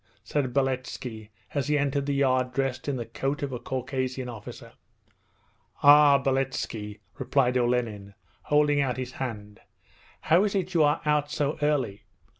said Beletski as he entered the yard dressed in the coat of a Caucasian officer. 'Ah, Beletski,' replied Olenin, holding out his hand. 'How is it you are out so early?'